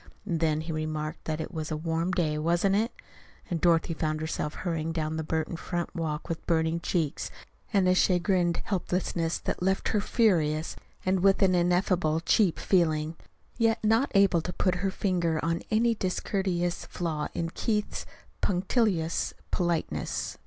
And then he remarked that it was a warm day, wasn't it? And Dorothy found herself hurrying down the Burton front walk with burning cheeks and a chagrined helplessness that left her furious and with an ineffably cheap feeling yet not able to put her finger on any discourteous flaw in Keith's punctilious politeness.